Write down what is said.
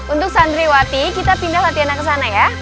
untuk sandriwati kita pindah latihanan kesana ya